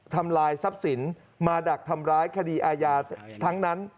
ทำลายทรัพย์สินมาดักทำร้ายคดีอาญาทั้งนั้น